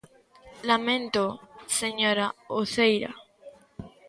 Laméntoo, señora Uceira.